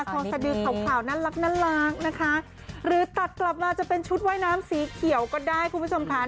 ทองสะดือขาวขาวน่ารักนะคะหรือตัดกลับมาจะเป็นชุดว่ายน้ำสีเขียวก็ได้คุณผู้ชมค่ะ